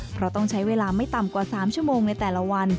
เพราะต้องใช้เวลาไม่ต่ำกว่า๓ชั่วโมงในแต่ละวัน